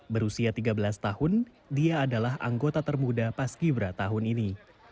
berusia tiga belas tahun dia adalah anggota termuda paski bra tahun ini